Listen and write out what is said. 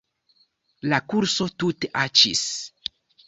La kurso tute aĉis.